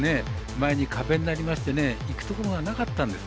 前に壁になりましていくところがなかったんです。